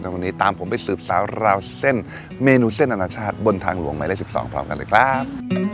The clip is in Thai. วันนี้ตามผมไปสืบสาวราวเส้นเมนูเส้นอนาชาติบนทางหลวงหมายเลข๑๒พร้อมกันเลยครับ